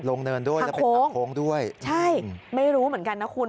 เนินด้วยแล้วเป็นทางโค้งด้วยใช่ไม่รู้เหมือนกันนะคุณ